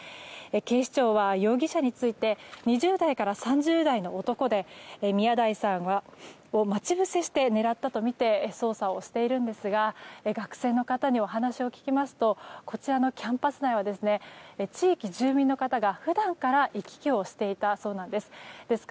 警視庁は容疑者について２０代から３０代の男で宮台さんを待ち伏せして狙ったとみて捜査をしているんですが学生の方にお話を聞きますとこちらのキャンパス内は地域住民の方が普段から行き来していたそうなんです。